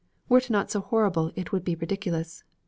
Were it not so horrible it would be ridiculous.